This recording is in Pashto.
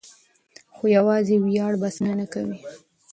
خو یوازې ویاړ بسنه نه کوي.